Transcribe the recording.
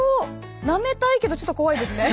なめたいけどちょっと怖いですね。